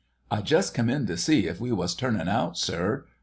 "I just come in to see if we was turnin' out, sir.